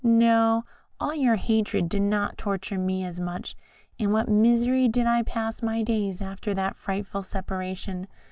No, all your hatred did not torture me as much. In what misery did I pass my days after that frightful separation!